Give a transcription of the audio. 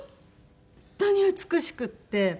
本当に美しくって。